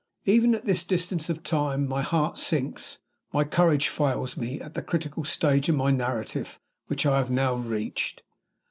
Even at this distance of time my heart sinks, my courage fails me, at the critical stage in my narrative which I have now reached.